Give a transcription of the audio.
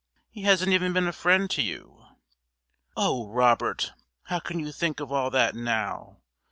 "He hasn't even been a friend to you." "Oh, Robert! how can you think of all that now?